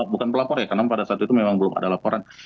bukan pelapor ya karena pada saat itu memang belum ada laporan